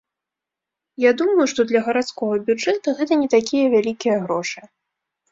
Я думаю, што для гарадскога бюджэта гэта не такія вялікія грошы.